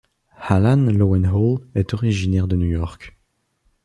Alan Lowenthal est originaire de New York.